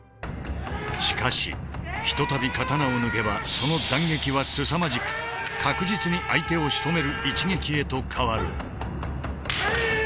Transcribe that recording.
しかしひとたび刀を抜けばその斬撃はすさまじく確実に相手をしとめる一撃へと変わる。